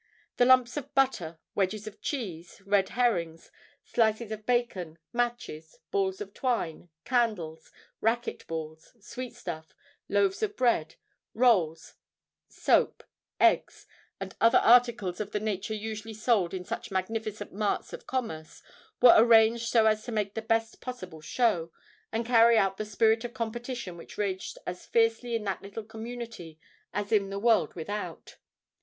The lumps of butter—wedges of cheese—red herrings—slices of bacon—matches—balls of twine—candles—racquet balls—sweet stuff—loaves of bread—rolls—soap—eggs—and other articles of the nature usually sold in such magnificent marts of commerce, were arranged so as to make the best possible show, and carry out the spirit of competition which raged as fiercely in that little community as in the world without.